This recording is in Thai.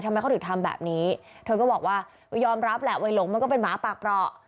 ทำไมเขาถึงทำแบบนี้เธอก็บอกว่าก็ยอมรับแหละวัยหลงมันก็เป็นหมาปากเปราะ